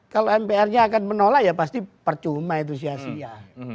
kalau mpr nya akan menolak ya pasti percuma itu sia sia